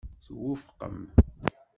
Twufqem?